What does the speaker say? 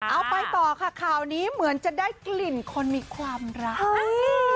เอาไปต่อค่ะข่าวนี้เหมือนจะได้กลิ่นคนมีความรัก